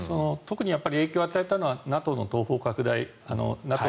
特にやっぱり影響を与えたのはＮＡＴＯの東方拡大